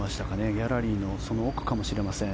ギャラリーのその奥かもしれません。